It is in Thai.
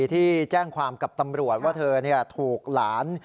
ที่แจ้งความกับตำรวจว่าเธอถูกหลาน